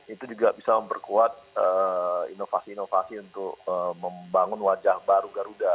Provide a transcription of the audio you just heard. itu juga bisa memperkuat inovasi inovasi untuk membangun wajah baru garuda